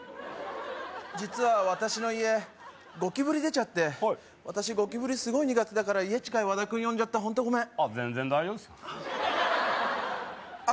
実は私の家ゴキブリ出ちゃって私ゴキブリすごい苦手だから家近い和田君呼んじゃってホントごめんあっ全然大丈夫っすよあっ